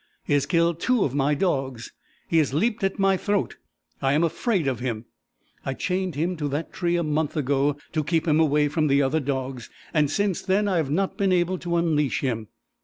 He has killed two of my dogs. He has leaped at my throat. I am afraid of him. I chained him to that tree a month ago to keep him away from the other dogs, and since then I have not been able to unleash him.